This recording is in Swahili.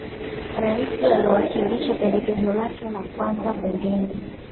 raisi aliliwakilisha pendekezo lake la kwanza bungeni